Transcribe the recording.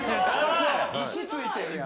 ・石付いてるやん。